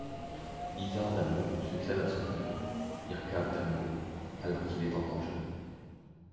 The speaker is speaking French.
Isar-Damu succède à son père, Irkab-Damu, alors qu'il est encore jeune.